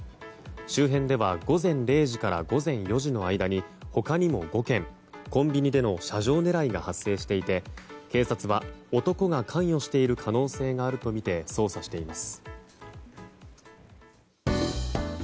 周辺では午前０時から午前４時の間に他にも５件、コンビニでの車上狙いが発生していて警察は、男が関与している可能性があるとみて捜査しています。